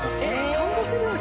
韓国料理？